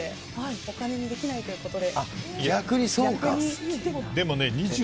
お金にできないということで。